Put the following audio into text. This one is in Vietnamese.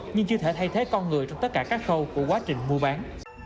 nhưng chưa thể thay thế con người trong tất cả các khâu của quá trình mua bán